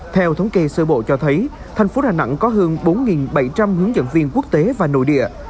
theo thống kê sơ bộ cho thấy thành phố đà nẵng có hơn bốn bảy trăm linh hướng dẫn viên quốc tế và nội địa